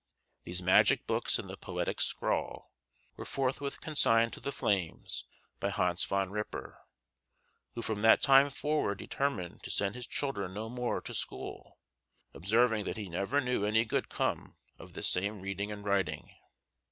These magic books and the poetic scrawl were forthwith consigned to the flames by Hans Van Ripper, who from that time forward determined to send his children no more to school, observing that he never knew any good come of this same reading and writing.